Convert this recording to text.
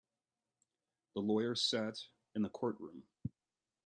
The lawyer sat in the courtroom.